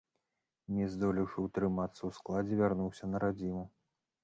Не здолеўшы утрымацца ў складзе, вярнуўся на радзіму.